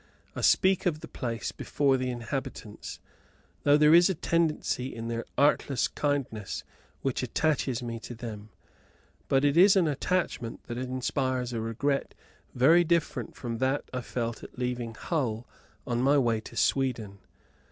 I speak of the place before the inhabitants, though there is a tenderness in their artless kindness which attaches me to them; but it is an attachment that inspires a regret very different from that I felt at leaving Hull in my way to Sweden.